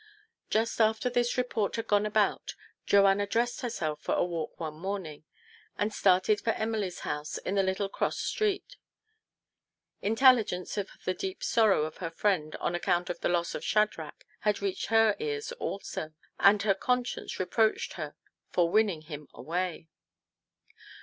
Just after this report had gone about, Joanna dressed herself for a walk one morning, and started for Emily's house in the little cross street. Intelligence of the deep sorrow of her friend on account of the loss of Shadrach had reached her ears also, and her conscience reproached her for winning him away.